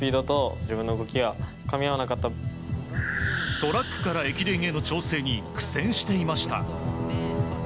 トラックから駅伝への調整に苦戦していました。